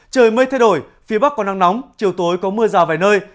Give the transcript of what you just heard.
trời mây thay đổi phía bắc có nắng nóng chiều tối có mưa rào vài nơi